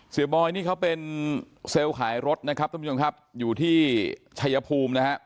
บอยนี่เขาเป็นเซลล์ขายรถนะครับท่านผู้ชมครับอยู่ที่ชัยภูมินะฮะ